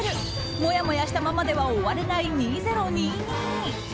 もやもやしたままでは終われない２０２２。